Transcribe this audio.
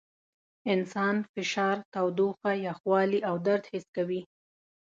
انسان فشار، تودوخه، یخوالي او درد حس کوي.